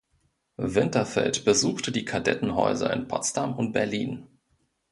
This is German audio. Winterfeld besuchte die Kadettenhäuser in Potsdam und Berlin.